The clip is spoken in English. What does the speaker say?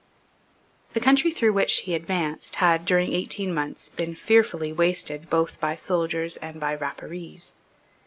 The country through which he advanced had, during eighteen months, been fearfully wasted both by soldiers and by Rapparees.